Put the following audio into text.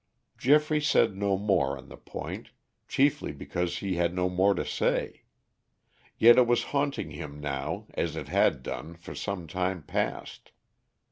Geoffrey said no more on the point, chiefly because he had no more to say. Yet it was haunting him now as it had done for some time past.